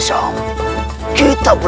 dengan kecil tak berhubung